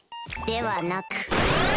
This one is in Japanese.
ではなく